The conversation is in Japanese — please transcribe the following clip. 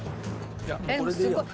えっすごい。